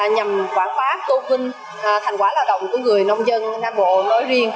nhằm quảng bá tôn vinh thành quả lao động của người nông dân nam bộ nói riêng